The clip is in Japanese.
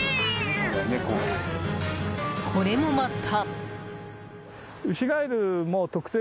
これもまた。